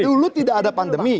dulu tidak ada pandemi